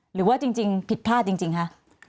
หรือว่าจริงผิดพลาดจริงคะ